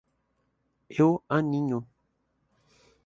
Eu aninho.